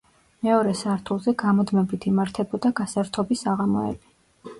მეორე სართულზე გამუდმებით იმართებოდა გასართობი საღამოები.